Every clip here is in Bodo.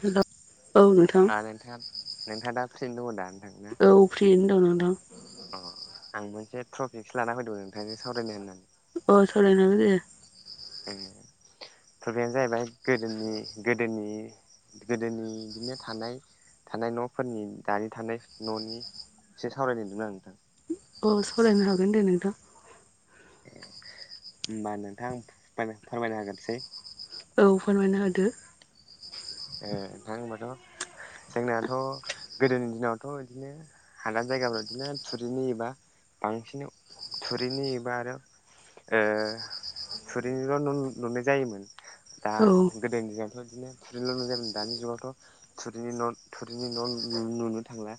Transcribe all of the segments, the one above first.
हेलौ औ नोंथां नोंथा नोंथाङा दा फ्रियैनो दंङोदा नोंथां ना? औ फ्रियैनो दं नोंथां अ आं मोनसे ट्रफिकसो लाना फैदों नोंथांजों सावरायनो होननानै अ सावराय जागोन दे ओं खोथायानो जाहैबाय गोदोनि गोदोनि गोदोनि बिदिनो थानाय थानाय न'फोरनि दानि थानाय न'नि एसे सावरायनो होनदों आं नोंथां औ सावरायनो हागोन दे नोंथां ए ओमबा नोंथां फोरमायना होगोरनोसै औ फोरमायना होदो ए नोंथां होनबाथ जोंनाथ गोदोनि दिनावथ इदिनो हादान जायगाफोराव गदिनो थुरिनिबा बांसिन थुरिनि एबा आरो थुरिल न' नुनाय जायोमोन दा औ गोदोनि दिनावथ इदिनो थुरिल न' नुयोमोन दानि जुगावथ थुरिनि न' थुरिनि न' नुनो थांला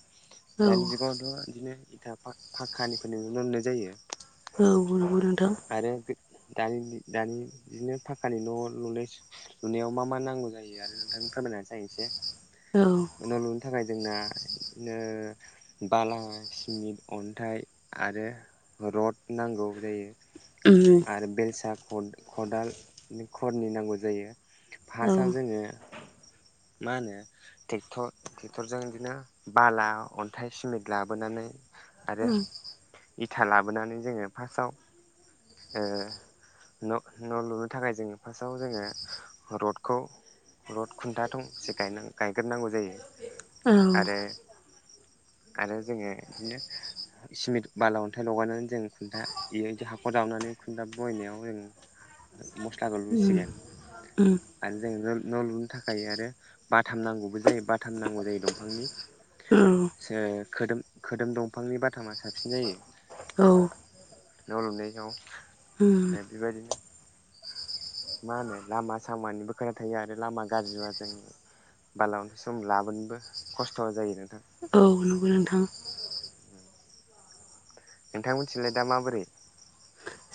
औ दानि जुगावथ इदिनो इथा पाखक्कानिफोरनिनो नुनो मोननाय जायो औ नंगौ नोंथां आरो बे दानि दानि इदिनो फक्कानि न' लुनाय लुनायाव मा मा नांगौ जायो आरो नोंथांनो फोरमायना होनोसै आं एसे औ न' लुनो थाखाय जोंना इदिनो बाला सिमेन्ट अन्थाइ आरो रड नांगौ जायो आरो बेलसा खदाल खरनि नांगौ जायो औ फार्स्टआव जोंङो मा होनो ट्रेक्टर ट्रेक्टरजों बिदिनो बाला अनथाइ सिमेनट लाबोनानै आरो औ इथा लाबोनानै जोङो फार्स्टआव ओ न' न'लुनो थाखाय जोङो फार्स्टआव जोङो रडखौ रड खुनथा थंसे गायनां गायग्रोनांगौ जायो आरो आरो जोङो इदिनो सिमेन्ट बाला अनथाइ लगायनानै जों खुनथा बेबायदि हाखर जावनानै खुनथा बहायनायाव जों मस्लाखौ लुसिगोन आरो जों न' न' लुनो थाखाय जायो आरो बाथाम नांगौबो जायो बाथाम नांगौ जायो दंफांनि जे खोदोम खोदोम दंफांनि बाथामा साबसिन जायो न' लुनाय समाव बेबायदिनो मा होनो लामा सामानिबो खोनथा थायो आरो लामा गाज्रिबा जों बाला अन्थाय सम लाबोनोबो खस्थ जायो नोंथां औ नंगौ नोंथां नोंथांमोननिथिलाय दा माबोरै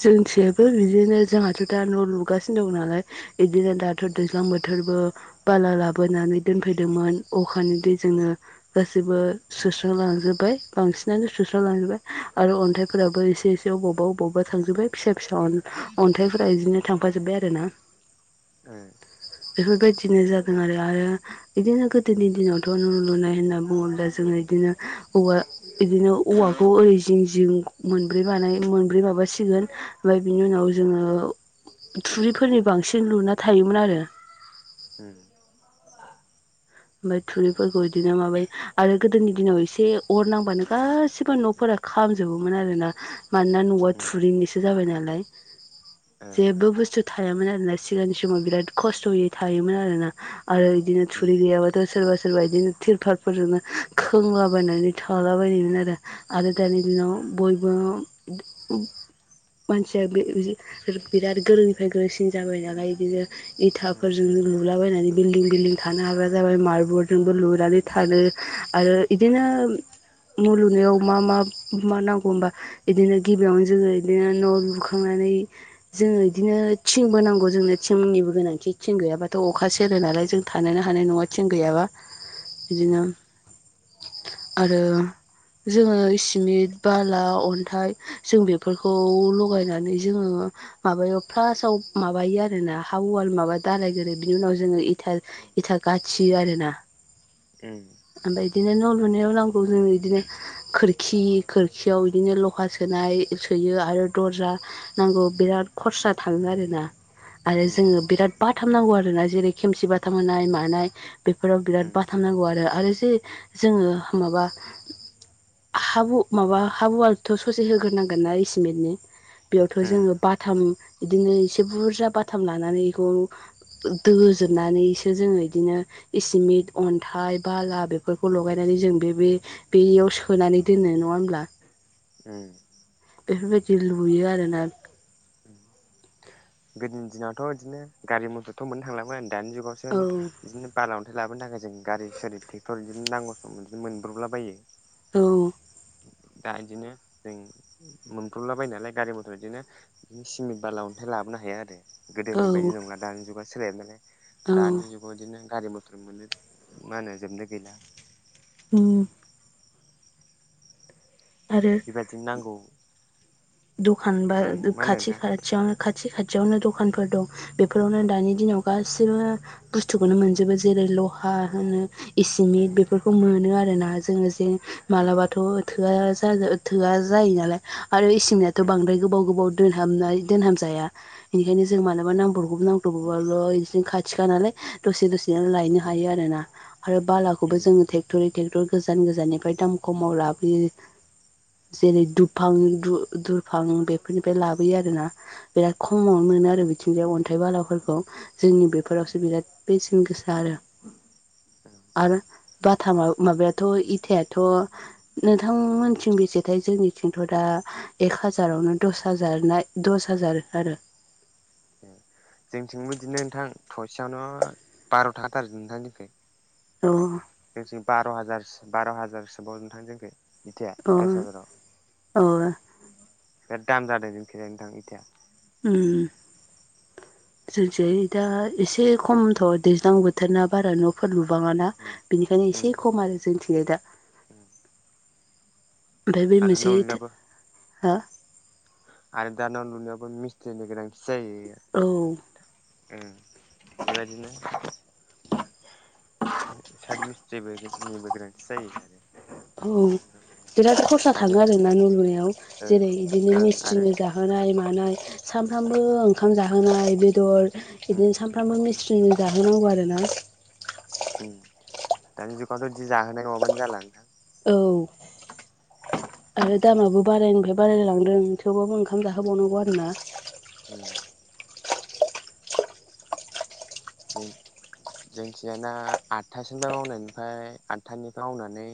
जोंनिथिंबो न' बिदिनो जोंहाथ दा न' लुगासिनो दं नालाय बिदिनो दाथ दैज्लां बोथोरबो बाला लाबोनानै दोनफैदोंमोन अखानि दैजोंनो गासैबो सुस्रांलांजोबबाय बांसिनानो सुस्रालांजोबबाय आरो अनथाइफोराबो एसे एसे अबावबा अबावबा थांजोबबाय फिसा फिसा अनथाइफोरा इदिनो थांफाजोबबाय आरोना ओ बेफोरबायदिनो जादोंआरो आरो बिदिनो गोदोनि दिनाव थ न' लुनाय होनना बुङोब्ला जोङो इदिनो औवा दिनो औवाखौ ओरै जिं जिं मोनब्रै बानाय मोनब्रै माबासि गोन ओमफ्राय बिनि उनाव जोङो थुरिफोरनि बांसिन लुना थायोमोन आरो उम ओमफ्राय थुरिफोरखौ इदिनो माबाय आरो गोदोनि दिनाव एसे अर नांबानो गासिबो न'फोरा खामजोबोमोन आरोना मानोना न' वा थुरिनिसो जाबाय नालाय जेबो बुसथु थायामोन आरोना गोदोनि समाव बिराद खसथयै थायोमोन आरोना आरो बिदिनो थुरि गैयाबा सोरबा सोरबा बिदिनो तिरफालफोरजोंनो खोंलाबायनानै थालाबायनायमोन आरो आरो दानि दिनाव बयबो मानसिया बे बिराद गोरोंनिफ्राय गोरोंसिन जाबाय नालाय इदिनो इथाफोरजोंनो लुलाबायनानै बिल्डिं बिल्डिं थानो हाग्रा जाबाय मार्बर्डजोंबो लु नानै थानो आरो इदिनो न' लुनायाव मा मा मा नांगौ होनोबा इदिनो गिबियावनो जोङो इदिनो न' लुखांनानै जों इदिनो थिंबो नांगौ जोंनो थिंनिबो गोनांथि थिं गैयाबाथ अखा सेरो नालाय जों थानोनो हानाय नङा थिं गैयाबा बिदिनो [inaudible] आरो जोङो इसिमिट बाला अनथाइ जों बेफोरखौ लगायनानै जोङो माबायाव फार्सेआव माबायो आरोना हाब वाल माबा दाालायग्रो बिनि उनाव जोङो इटा उम गाथियोआरोना उम ओमफ्राय इदिनो न' लुनायाव नांगौ जोंनो इदिनो खोरखि खोरखियाव इदिनो लहा सोनाय सोयो आरो दरजा नांगौ बिराद खरसा थाङो आरोना आरो जोङो बिराद बाथाम नांगौ आरोना जेरै खेमसि बाथाम होनाय मानाय बेफोराव बिराद बाथाम नांगौ आरो आरो जे जोङो माबा हाबु माबा हाब वालथ ससे होग्रोनांगोनना सिमेन्टनि बेयावथ जोङो थाखो बाथाम बिदिनो एसे बुरजा बाथाम लानानै इखौ दजोबनानैसो जोङो बिदिनो इसिमिट अन्थाइ बाला बेफोरखौ लगायनानै जों बे बे बेयाव सोनानै दोनो नङा होमब्ला उम बेफोरबायदि लुयो आरोना गोदोनि दिनावथ इदिनो गारि मथरथ मोननो थांलामोन दानि जुगावसो औ इदिनो बाला अनथाइ ओफ्राय लाबोनो थाखाय जों गारि सारि ट्रेक्टर बिदिनो नांगौ सम बिदिनो मोनब्रबलाबायो औ दा इदिनो जों मोनब्रबलाबायोनालाय गारि मथर बिदिनो बिदिनो सिमेन्ट बाला अनथाइ लाबोनो हाया आरो औ गोदोनि बायदि नंला दानि जुगा सोलायबाय नालाय औ दानि जुग इदिनो गारि मथर मोनो मा होनो जोबनो गैला उम आरो बेबायदिनो नांगौ दखान बा ओं मा होनदों खाथि नोंथां खा थियावनो खाथि खाथियावनो दखानफोर दं बेफोरावनो दानि दिनाव गासिबो बुस्थुखौनो मोनजोबो जेरै लहा होनो इसिमिट उम बेफोरखौ मोनो आरोना जोङो जे उम मालाबाथ थोआ जा थोआ जायो नालाय आरो इसिमिदाथ उम बांद्राय गोबाव गोबाव दोनहाबनाय दोनहाबजाया बेनिखायनो जों मालाबा उम नांब्रबगौ [unintelligible] नांब्रगौबाल बिदिनो खाथिखा नालाय दसे दसे लायनो उम हायो आरो ना आरो बालाखौबो उम जोङो ट्रेक्टरै ट्रेक्टर गोजान गोजाननिफ्राय दाम खमाव लाबोयो उम जेरै दुफां दुफां बेफोरनिफ्राय लाबोयो आरोना बिराद खमावनो मोनो आरो बिथिंजाय अन्थाइ बालाफोरखौ जोंनि उम बेफोरावसो बिराद बेसेन गोसा आरो उम आरो बाथामा माबायाथ इथायाथ नोंथांमोनथिं बेसेथाय जोंनिथिंथ दा एक हाजारावनो दस हाजारना दस हाजार आरो ए जोंथिंबो इदिनो नोंथां थसेयावनो बार थाखाथार नोंथां जोंनिखै अ जोंनिथि बार हाजारसो बार हाजारसोबाव नोथां जोंनिखै मिथिया अ दस हाजाराव अ बिराद दाम जादों जोंनिथिंजाय नोंथां इथाया ओम जोंनिथिंजाय दा एसे खमथ' दैज्लां बोथोरा बारा न' फोर लुबाङाना उम बेनिखायनो एसे उम खम आरो जोंनिथिंजाय दा [inaudible] ओमफ्राय बै आरो मोनसे न' इथा लुनायावबो हो आरो दा न लुनायावबो मिसथ्रिनि गोनांथि औ जायो ओम बेबायदिनो साद मिस्थ्रिबो निबो गोनांथि जायो आरो औ बिराद खरसा थाङो आरो ना न' लुनायाव ओं जेरै बिदिनो ओं आरो मिस्थ्रिनो जा जाहोनाय मानाय सामफ्रामबो ओंखाम जाहोनाय बेदर उम बिदिनो सानफ्रामबो मिस थ्रिनो जाहोनांगौ आरोना ओम दानि जुगावथ' जि जाहोनाय नङाबानो जाला नोंथां औ दामाबो बारानिफ्राय बारायलांदों थेवबाबो ओंखाम जाहोबावनांगौ आरोना ओम जों जोंनिथिंजायना आदथासोनिफ्राय मावनायनिफ्राय आठथानिफ्राय मावनानै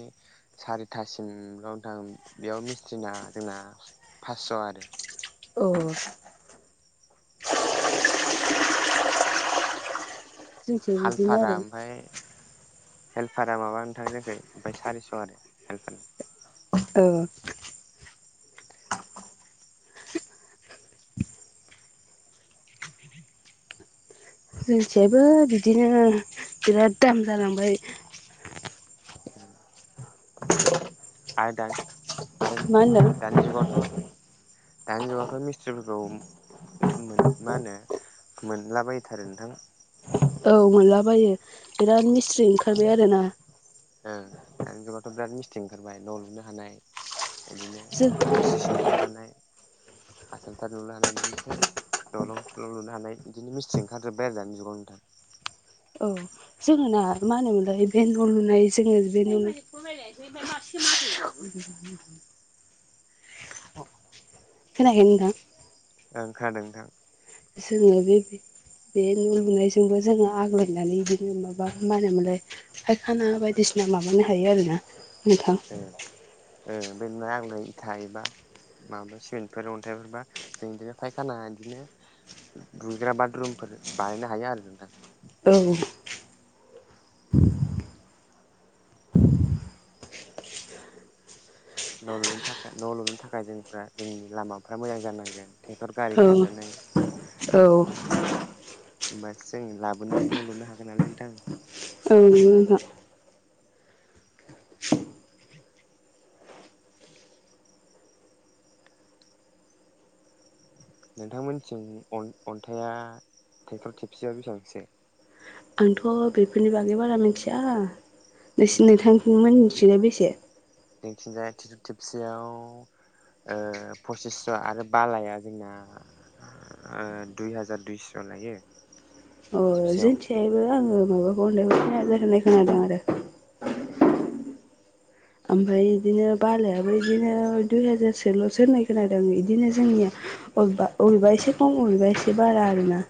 सारिथासिम लंथां बेयाव मिस्ट्रिना जोंना फासस' आरो औ जोंथिं बिदिनो हालफारा आरो ओमफाय हेल्पारा माबा नोंथां जोंनिखै ओमफ्राय सारिस' आरो हेल्पारनि औ [unintelligible] जोंनिथिंजायबो बिदिनो बिराद दाम जालांबाय [unintelligible] आरो दा आरो मा होनदों दानि जुगावथ' दानि जुगावथ' मिस्थ्रिफोरखौ मा होनो मोनलाबायथारो नोंथां औ मोनलाबायो बिराद मिसथ्रि ओंखारबाय आरोना ओ दानि जुगावथ' बिराद मिस्ट्रिओंखारबाय न' लुनो हानाय बिदिनो जों आर सि सि लुनो हानाय आसाम टाइप लुनो हानाय बिदिनो सेस दलं न'लुनो हानाय बिदिनो मिसथ्रि ओंखारजोबबाय आरो दानि जुगाव नोंथां औ जोङो ना मा होनोमोनलाय बे न' लुनाय जोङो बे न' [unintelligible] [unintelligible] खोनायाखै नोंथां ओ खोनादों नोंथां जोङो बे बि बे न' लुनायजोंबो जोङो आग्लायनानै बिदिनो माबा मा होनोमोनलाय? फायखाना बायदिसिना माबानो हायो आरोना नोंथां ओ ओ बे [unintelligible] इथा एबा माबा सिमेन्टफोर अन्थाइफोरबा जों बिदिनो फायखाना बिदिनो दुगैग्रा बाथरुमफोर बानायनो हायो आरो नोंथां औ न' लुनो थाखाय न' लुनो थाखाय जोंफ्रा जोंनि लामाफ्रा मोजां जानांगोन ट्रेक्टर गारि औ खारजानाय औ होमबासो जों लाबोनानै न' लुनो हागोन नालाय नोंथां औ नंगौ नोंथां [inaudible] नोंथां मोनथिं अन-अन्थाया ट्रेक्टर खेबसेयाव बेसेबांसो? आंथ' बेफोरनि बागै बारा मिनथिया नोंसि उम नोंथां मोनिथिंलाय बेसे? जोंथिंजाया थिथ'थिबसेयाव ओ पसिसस' आरो बालाया जोंना ओ दुइ हाजार दइस' लायो। अ खेबसेयाव जोंन्थिआयबो आङो माबाखौ [unintelligible] होननाय खोनादों आरो। ए आमफ्राय इदिनो बालायाबो इदिनो दुइ हाजारसोल'सो होन्नाय खोनादों इदिनो जोंनिया उम अबेबा अबेबा एसे खम बबेबा एसे बारा आरोना।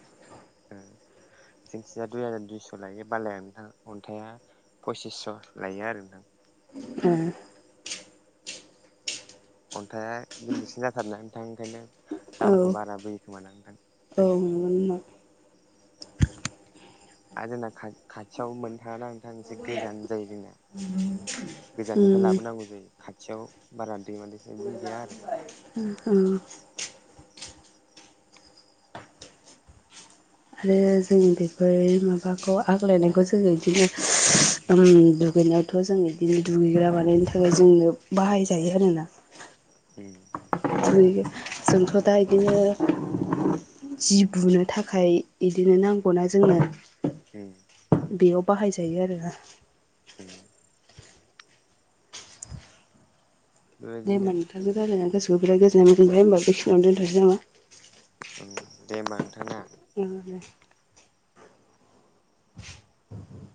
ओ। जोंथिंजाय दुइ हाजार दुइस' लायो बालाया नोंथां अन्थाइआ पसिसस' लायो आरो नोंथां। ए। अन्थाया गिलिरसिन जाथारोना नोंथां ओंखायनो औ दामखौ बारा बोयो खोमा ना नोंथां औ [unintelligible] नंगौ नोंथां आ जोना खा-खाथियाव मोननो थाङा ना नोंथां एसे गोजान जायो जोंना। गोजाननिफाय लाबोनांगौ जायो खाथियाव बारा दैमा दै इदिनो गैया आरो। उम उम। आलो जों बेफोर माबाखौ आग्लायनायखौ जोङो इदिनो ओम दुगैनायाथ' जों इदिनो दुगैग्रा बानायनो थाखाय जोंनो बाहायजायो आरोना। उम [unintelligible] जोंथ' दा इदिनो जि बुनो थाखाय इदिनो नांगौना जोंनो। उम बेयाव बाहायजायो आरोआ उम दे बेबायदिनो होमबा नोंथांजों रायलायना गोसोखौ बिराद गोजोननाय मोनबाय। होमबा बेखिनियावनो दोनथ'नसै नामा? औ दे होमबा नोंथां ना? [unintelligible] [inaudible]